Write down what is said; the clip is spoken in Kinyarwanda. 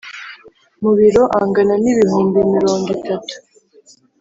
mu biro angana n ibihumbi mirongo itatu